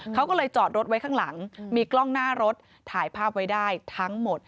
เขาก็เลยจอดรถไว้ข้างหลังมีกล้องหน้ารถถ่ายภาพไว้ได้ทั้งหมด